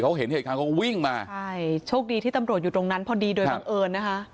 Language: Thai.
เขาเห็นเหตุการณ์เขาก็วิ่งมาใช่โชคดีที่ตำรวจอยู่ตรงนั้นพอดีโดยบังเอิญนะคะ